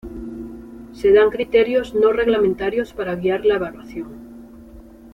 Se dan criterios no reglamentarios para guiar la evaluación.